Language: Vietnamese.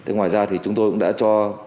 ngoài ra chúng tôi đã cho